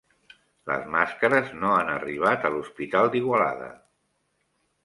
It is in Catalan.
Les màscares no han arribat a l'Hospital d'Igualada